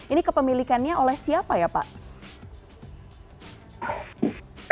ini kepemilikannya oleh siapa ya pak